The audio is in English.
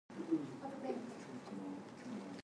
Sources disagree as to what happened to Brown after this.